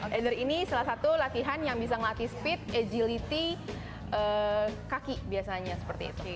either ini salah satu latihan yang bisa ngelatih speed agility kaki biasanya seperti itu